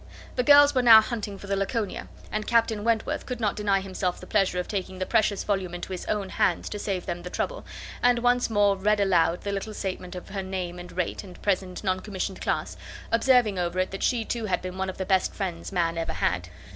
The girls were now hunting for the Laconia; and Captain Wentworth could not deny himself the pleasure of taking the precious volume into his own hands to save them the trouble, and once more read aloud the little statement of her name and rate, and present non commissioned class, observing over it that she too had been one of the best friends man ever had.